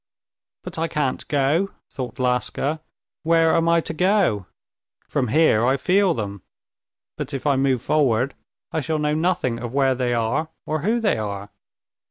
"But I can't go," thought Laska. "Where am I to go? From here I feel them, but if I move forward I shall know nothing of where they are or who they are."